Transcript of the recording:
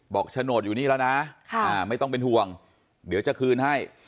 โฉนดอยู่นี่แล้วนะไม่ต้องเป็นห่วงเดี๋ยวจะคืนให้